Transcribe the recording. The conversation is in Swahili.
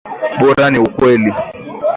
Bora ni kweli.